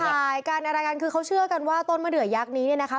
ถ่ายกันอะไรกันคือเขาเชื่อกันว่าต้นมะเดือยักษ์นี้เนี่ยนะคะ